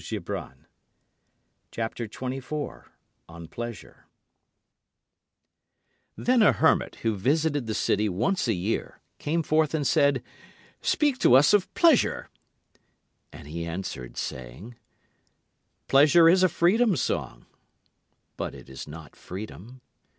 [Illustration: 0100] Then a hermit, who visited the city once a year, came forth and said, Speak to us of Pleasure. And he answered, saying: Pleasure is a freedom song, But it is not freedom.